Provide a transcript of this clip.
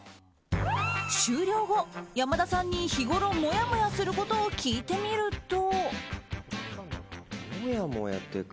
終了後、山田さんに日ごろもやもやすることを聞いてみると。